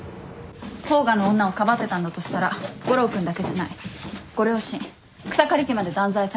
甲賀の女をかばってたんだとしたら悟郎君だけじゃないご両親草刈家まで断罪されることになるって。